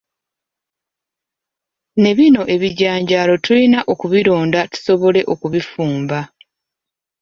Ne bino ebijanjaalo tulina okubironda tusobole okubifumba.